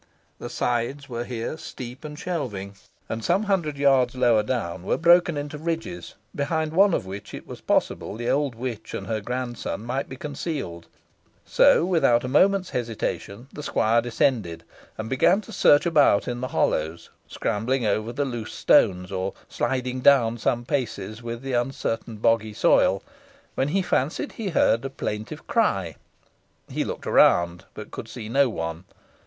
The sides were here steep and shelving, and some hundred yards lower down were broken into ridges, behind one of which it was possible the old witch and her grandson might be concealed; so, without a moment's hesitation, the squire descended, and began to search about in the hollows, scrambling over the loose stones, or sliding down for some paces with the uncertain boggy soil, when he fancied he heard a plaintive cry. He looked around, but could see no one.